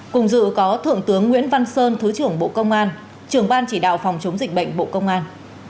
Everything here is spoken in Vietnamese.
cùng dự có thượng tướng nguyễn văn sơn thứ trưởng bộ công an trưởng ban chỉ đạo phòng chống dịch bệnh bộ công an